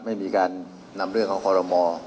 ไม่มีการนำเรื่องของคอรมอ